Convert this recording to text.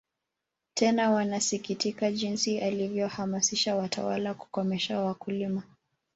Tena wanasikitikia jinsi alivyohamasisha watawala kukomesha wakulima